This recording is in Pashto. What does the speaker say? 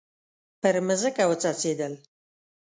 پر مځکه وڅڅیدل